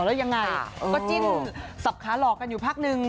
แล้วยังไงก็จิ้นสับขาหลอกกันอยู่พักนึง